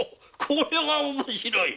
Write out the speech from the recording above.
これは面白い。